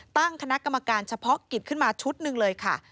ตั้งคณะกรรมการเฉพาะกิจขึ้นมาชุดหนึ่งเลยค่ะ